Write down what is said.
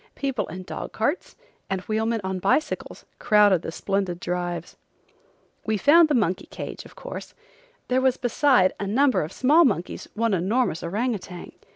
People in dog carts and wheelmen on bicycles crowded the splendid drives. We found the monkey cage, of course. There was besides a number of small monkeys one enormous orang outang.